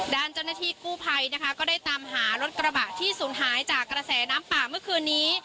ด้านเจ้าหน้าที่กู้ภัยนะคะก็ได้ตามหารถกระบะที่สูญหายจากกระแสน้ำป่าเมื่อคืนนี้